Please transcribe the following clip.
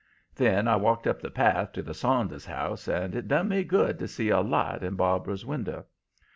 "Then I walked up the path to the Saunders house and it done me good to see a light in Barbara's window.